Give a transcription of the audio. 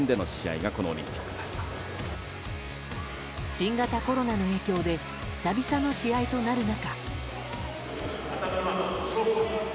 新型コロナの影響で久々の試合となる中。